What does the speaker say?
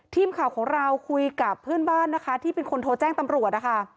ทีมข่าวของเราคุยกับเพื่อนบ้านนะคะที่เป็นคนโทรแจ้งตำรวจนะคะ